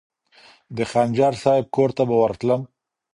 د خنجر صاحب کور ته به ورتلم.